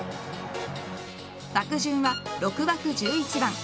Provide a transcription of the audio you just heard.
枠順は６枠１１番。